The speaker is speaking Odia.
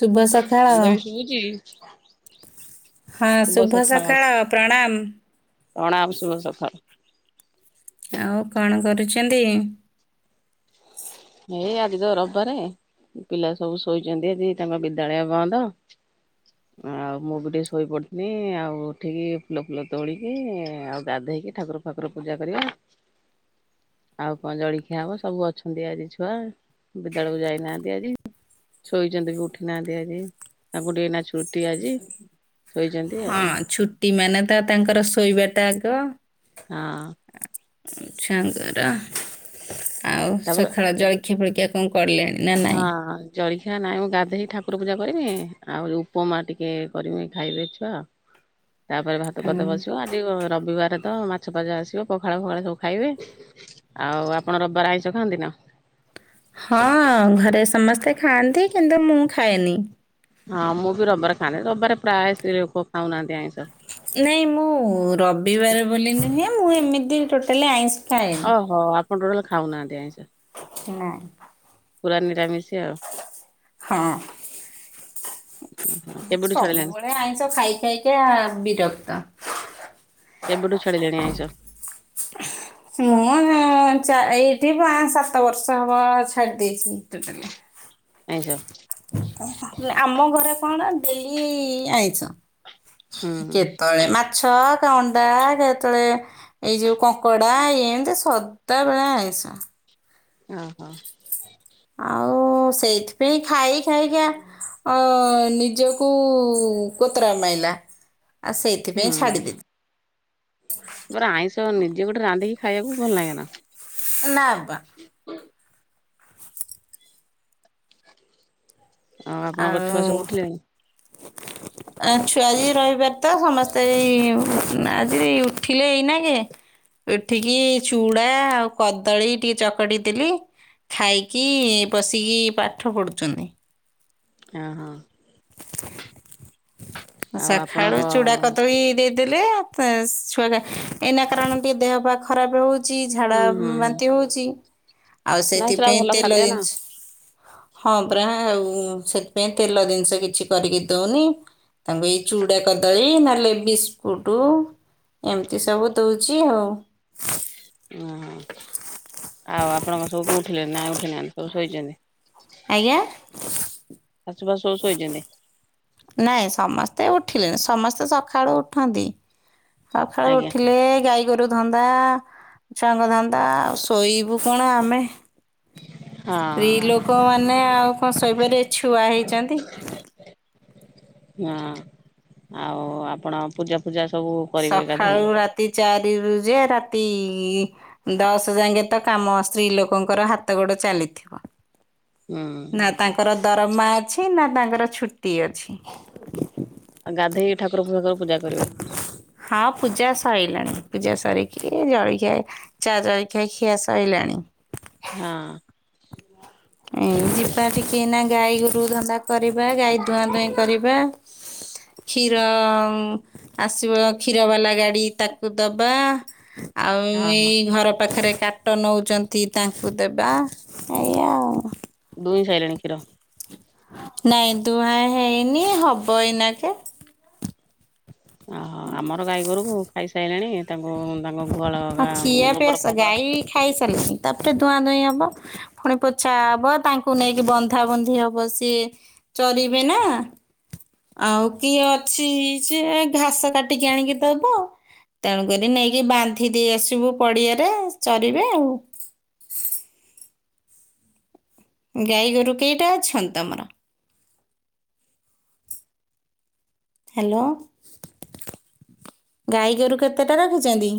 ଶୁଭସକାଳ। କି। ହଁ ଶୁଭ ସକାଳ ପ୍ରଣାମ୍। ପ୍ରଣାମ ଶୁଭ ସକାଳ। ଆଉ କଣ କରୁଛନ୍ତି? ଏଇ ଆଜି ତ ରବିବାରେ ପିଲା ସବୁ ଶୋଇଛନ୍ତି ଆଜି ତାଙ୍କ ବିଦ୍ୟାଳୟ ବନ୍ଦ। ଆଉ ମୁଁ ବି ଟିକେ ଶୋଇପଡ଼ିିଥିନି। ଆଉ ଉଠିକି ଫୁଲ ଫୁଲ ତୋଳିକି ଆଉ ଗାଧୋଇକି ଠାକୁର ଠାକୁର ପୂଜା କରିଆ। ଆଉ କଣ ଜଳିଖିଆ ହବ ସବୁ ଅଛନ୍ତି ଆଜି ଛୁ ଛୁଆ ବିଦ୍ୟାଳୟକୁ ଯାଇନାହାନ୍ତି ଆଜି। ଶୋଇଛନ୍ତି ବି ଉଠି ନାହାନ୍ତି ଆଜି ତାଙ୍କୁ ଟିକେ ଏନା ଛୁଟି ଆଜି। ଶୋଇଛନ୍ତି ହଁ ଆଉ ଛୁଟି ମାନେ ତ ତାଙ୍କର ଶୋଇବାଟା ଆଗ। ହଁ। ଛୁଆଙ୍କର ଆଉ ତାପରେ ସକାଳ ଜଳିଖିଆ ଫଳିଖିଆ କଣ କରିଲେଣି ନା ନାଇଁ? ଜଳିଖିଆ ନାଇଁ ମୁଁ ଗାଧେଇ ଠାକୁର ପୂଜା କରିମି ଆଉ ଉପମା ଟିକେ କରିମି ଖାଇବେ ଛୁଆ। ତାପରେ ଭାତ ଫାତ ବସିବ ଆଜି ରବିବାର ତ ମା ଛ ଆସିବ ପଖାଳ ପଖାଳ ସବୁ ଖାଇବେ। ଆଉ ଆପଣ ରବିବାରେ ଆଇଁଷ ଖାଆନ୍ତି ନା? ହଁ ଘରେ ସମସ୍ତେ ଖାଆନ୍ତି କିନ୍ତୁ ମୁଁ ଖାଏନି। ହଁ ମୁଁ ବି ରବିବାରେ ଖାଉନି। ରବିବାରେ ପ୍ରାଏ ସ୍ତ୍ରୀ ଲୋକ ଖାଉନାଆନ୍ତି ଆଇଁଷ। ନାଇଁ ମୁଁ ରବିବାରେ ବୋଲି ନୁହେଁ ମୁଁ ଏମିତି ଟୋଟାଲି ଆଇଁସ। ଓହୋ ଆପଣ ଟୋଟାଲ ଖାଉ ନାହାନ୍ତି ଆଇଁଷ। ନା। ପୁରା ନିରାମିସି ଆଉ। ହଁ। ହଁ କେବେଠୁ ଛାଡିଲେଣି? ସବୁବେଳେ ଆଇଁଷ ଖାଇ ଖାଇକା ବିରକ୍ତ। କେବେଠୁ ଛାଡିଲେଣି ଆଇଁଷ? ମୁଁ ଉ ଏଇଠି ପା ସାତ ବର୍ଷ ହବ ଛାଡି ଦେଇଛି ଟୋଟାଲି। ଆଇଁଶ। ଆମ ଘରେ କଣ ଡେଲି ଆଇଁସ। ହୁଁ କେତେଅଳେ ମାଛ ଅଣ୍ଡା କେତେଳେ ଏଇ ଯୋଉ କ କଡ଼ା ଏଇମିତି ସଦାବେଳେ ଆଇଁସ। ଓ ହୋ। ଆଉ ସେଇଥିପାଇଁ ଖାଇ ଖାଇକି ଅ ନିଜକୁ କୋତରା ମାଇଲା। ଆଉ ସେଇଥିପାଇଁ ହୁଁ ଛାଡିଦେଲି ତୋର ଆଇଁଷ ନିଜେ ଗୋଟେ ରାନ୍ଧିକି ଖାଇବାକୁ ଭଲ ଲାଗେନ? ନାଁବା। ଆଉ ଆପଣଙ୍କ ଛୁଆ ଆଉ ସବୁ ଉଠିଲେଣି? ଆ ଛୁଆ ଆଜି ରହିବାର ତ ସମସ୍ତେ ଏଇ ଆଜି ଉଠିଲେ ଏଇନା କେ ଉଠିକି ଚୁଡ଼ା ଆଉ କଦଳୀ ଟିକେ ଚକଟି ଦେଲି। ଖାଇକି ବସିକି ପାଠ ପଢ଼ୁଛନ୍ତି। ହଁ ହଁ। ଆଉ ସଖାଳୁ ଆପଣଙ୍କ ଚୁଡା କଦଳୀ ଦେଇ ଦେଲେ ଛୁଆ ଏଇନା କାରଣ ଟିକେ ଦେହ ପା ଖରାପ ହେଉ ଚି ଝାଡା ହୁଁ ହୁଁ ହୁଁ ବାନ୍ତି ହଉଛି ଆଉ ନାଇଁ ସେଟା ସେଥିପାଇଁ ଭଲ ତେଲ ଖାଦ୍ୟ ନା ଜିନିଷ୍ ହଁ ପ୍ରା ଆଉ ସେଥିପାଇଁ ତେଲ ଜିନିଷ କିଛି କରିକି ଦଉନି। ତାଙ୍କୁ ଏଇ ଚୁଡା କଦଳୀ ଏଇ ନଲେ ବିସ୍କୁଟୁ, ଏମିତି ସବୁ ଦଉଛି ଆଉ। ଓହୋ! ଆଉ ଆପଣଙ୍କ ସବୁ କେ ଉଠିଲେଣି ନା, ଉଠି ଉଠି ନାହାଁନ୍ତି, ସବୁ ଶୋଇଛନ୍ତି? ଆଗ୍ୟା। ଶାଶୁ ଫାଶୁ ସବୁ ଶୋଇଛନ୍ତି ନାଇଁ, ସମସ୍ତେ ଉଠିଲେଣି। ସମସ୍ତେ ସକାଳୁ ଉଠନ୍ତି। ସଖାଳୁ ଆଜ୍ଞା ଉଠିଲେ, ଗାଈ ଗୋରୁ ଧନ୍ଦା, ସାଙ୍ଗ ଧନ୍ଦା, ଆଉ ଶୋଇବୁ କଣ ଆମେ? ସ୍ତ୍ରୀ ହଁ ଲୋକ ମାନେ ଆଉ କଣ, ଶୋଇବାରେ ଛୁଆ ହେଇଛନ୍ତି? ହଁ, ଆଉ ଆପଣ ପୂଜା ଫୂଜା ସବୁ କରିବେ ଗାଧେଇକି ସକାଳୁ ରାତି ଚାରି ରୁ ଯେ ରାତି-ଇ ଦଶ ଯାଙ୍କେ ତ କାମ ସ୍ତ୍ରୀ ଲୋକଙ୍କର ହାତ ଗୋଡ ଚାଲିଥିବ। ହୁଁ। ନା ତାଙ୍କର ଦରମା ଅଛି ନା, ତାଙ୍କର ଛୁଟି ଅଛି। ଆଉ, ଗାଧେଇି ଠାକୁର ଙ୍କର ପୂଜା କରିବେ। ହଁ, ପୂଜା ସଇଲାଣି। ପୂଜା ସରିକି ଜଳଖିଆ ଚା' ଜଳଖିଆ ଖିଆ ସାଇଲାଣି। ହଁ। [inaudible] ଏ ଯିବା ଟିକି ଏଇନା ଗାଈ ଗୋରୁ ଧନ୍ଦା କରିବା, ଗାଈ ଧୂଆଁ ଧୂଇଁ କରିବା। କ୍ଷୀରଂ ଆସିବ କ୍ଷୀର ବାଲା ଗାଡି ତାକୁ ଦବା ଆଉଁ ଓହୋ ଏଇ ଘର ପାଖରେ କାଟ୍ ଟ ନଉଛନ୍ତି ତାଙ୍କୁ ଦେବା। ଦୁଇଁ ସାଇଲାଣି କ୍ଷୀର। ନାଇଁ, ଦୁହାଁ ହେଇନି, ହବ ଏଇନା କେ। ଓହୋ! ଆମର ଗାଈଗୋରୁକୁ ଖାଇସାଇଲେଣି ତାଙ୍କୁ ତାଙ୍କ ଗୁହାଳ ଗା ଗୋବର ଫୋବର ଖାଇ ସାରିଲିନ ତା'ପରେ ଧୂଆଁ ଧୁଇଁ ହବ। ଫୁଣି ପୋଛା ହବ। ତାଙ୍କୁ ନେଇକି ବନ୍ଧା ବନ୍ଧି ହବ ସିଏ ଚରିବେ ନା। ଆଉ କିଏ ଅଛି, ଯେ ଘାସ କାଟିକି ଆଣିକି ଦବ। ତେଣୁକରି ନେଇକି ବାନ୍ଧି ଦେଇ ଆସିବୁ ପଡ଼ିଆରେ। ଚରିବେ ଆଉ। ଗାଈ ଗୋରୁ କେଇଟା ଅଛନ୍ ତମର? ହ୍ୟାଲୋ ଗାଈଗୋରୁ କେତେଟା ରଖିଛନ୍ତି?